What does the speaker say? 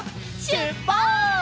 しゅっぱつ！